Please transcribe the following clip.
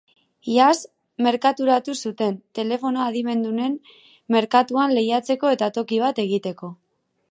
Iaz merkaturatu zuten, telefono adimendunen merkatuan lehiatzeko eta toki bat egiteko.